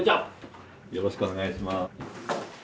よろしくお願いします。